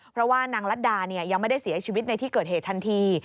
เพราะว่านางรัฐดายังไม่ได้เสียชีวิตในที่เกิดเหตุทันที